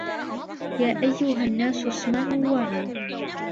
يا أيها الناس اسمعوا وعوا